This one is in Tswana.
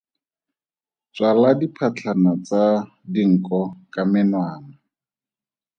Tswala diphatlhana tsa dinko ka menwana.